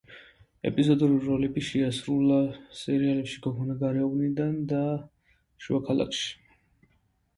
ეპიზოდური როლები შეასრულა სერიალებში „გოგონა გარეუბნიდან“ და „შუა ქალაქში“.